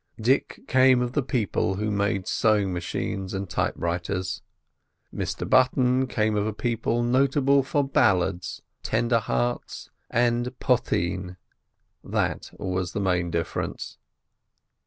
Dick came of the people who make sewing machines and typewriters. Mr Button came of a people notable for ballads, tender hearts, and potheen. That was the main difference.